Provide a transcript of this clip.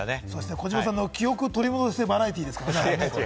児嶋さんの記憶を取り戻すバラエティーですからね。